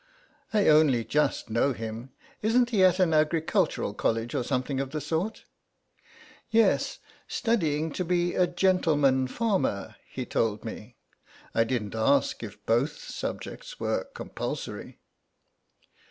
"I only just know him. Isn't he at an agricultural college or something of the sort?" "Yes, studying to be a gentleman farmer, he told me. I didn't ask if both subjects were compulsory."